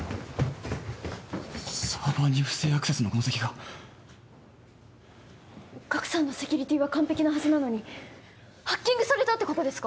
サーバーに不正アクセスの痕跡がガクさんのセキュリティーは完璧なはずなのにハッキングされたってことですか！？